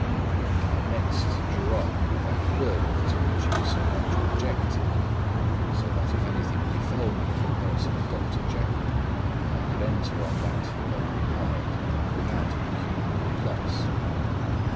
I next drew up that will to which you so much objected; so that if anything befell me in the person of Dr. Jekyll, I could enter on that of Edward Hyde without pecuniary loss.